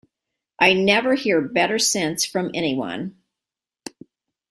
I never hear better sense from anyone..